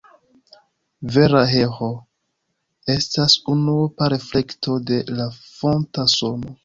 Vera eĥo estas unuopa reflekto de la fonta sono.